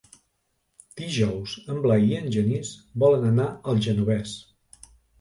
Dijous en Blai i en Genís volen anar al Genovés.